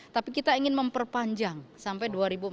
tapi kita ingin memperpanjang sampai dua ribu empat belas